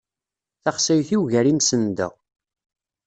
Taxsayt-iw gar yimsenda.